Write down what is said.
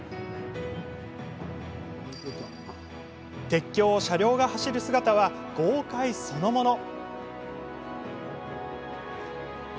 鉄橋を車両が走る姿は豪快そのもの。